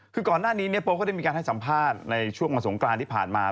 คือก่อนหน้านี้โป๊ก็ได้มีการให้สัมภาษณ์ในช่วงวันสงกรานที่ผ่านมา